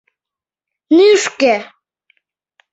Нӱшкӧ.